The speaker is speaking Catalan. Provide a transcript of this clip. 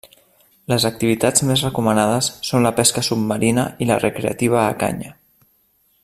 Les activitats més recomanades són la pesca submarina i la recreativa a canya.